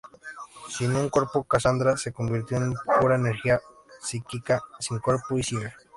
Sin un cuerpo, Cassandra se convirtió en pura energía psíquica, sin cuerpo y ciega.